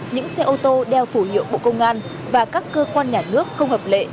những xe ô tô đeo phù hiệu bộ công an và các cơ quan nhà nước không hợp lệ